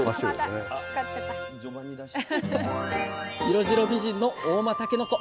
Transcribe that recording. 色白美人の合馬たけのこ。